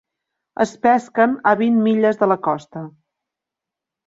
Es pesquen a vint milles de la costa.